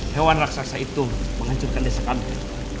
hewan raksasa itu menghancurkan desa kami